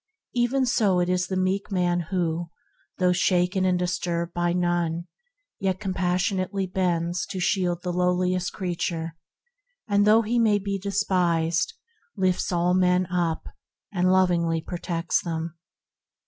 Even so is it with the meek man who still, though shaken and disturbed by none, compassionately bends to shield the lowliest creature, and, though he may be despised, lifts all men up and lovingly protects them.